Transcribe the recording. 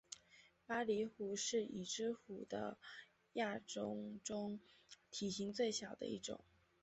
巴厘虎是已知虎的亚种中体型最小的一种。